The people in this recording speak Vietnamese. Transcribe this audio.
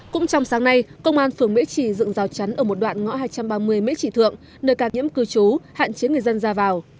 cũng trong sáng nay công an phường mỹ trì dựng rào chắn ở một đoạn ngõ hai trăm ba mươi mỹ trì thượng nơi ca nhiễm cư trú hạn chế người dân ra vào